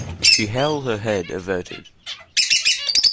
She held her head averted.